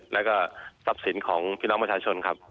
แล้วก็ทรัพย์สินของพี่น้องประชาชนครับ